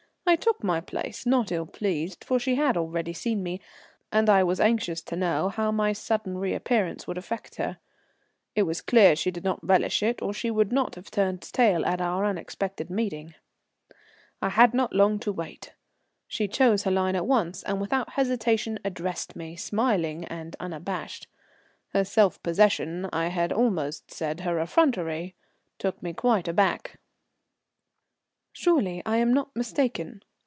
I took my place, not ill pleased, for she had already seen me, and I was anxious to know how my sudden reappearance would affect her. It was clear she did not relish it, or she would not have turned tail at our unexpected meeting. I had not long to wait. She chose her line at once, and without hesitation addressed me, smiling and unabashed. Her self possession, I had almost said her effrontery, took me quite aback. "Surely I am not mistaken?"